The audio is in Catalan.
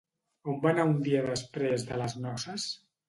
On va anar un dia després de les noces?